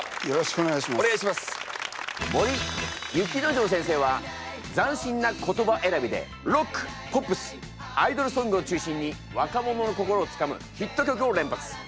森雪之丞先生は斬新な言葉選びでロックポップスアイドルソングを中心に若者の心をつかむヒット曲を連発。